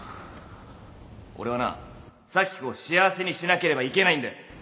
俺はな早季子を幸せにしなければいけないんだよ